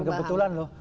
itu bukan kebetulan loh